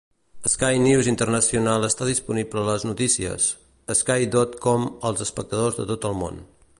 Sky News International està disponible a les notícies. Sky dot com als espectadors de tot el món.